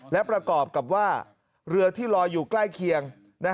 และประกอบกับว่าเรือที่ลอยอยู่ใกล้เคียง